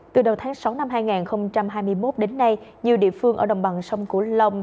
từ đầu tháng sáu năm hai nghìn hai mươi một đến nay nhiều địa phương ở đồng bằng sông cửu long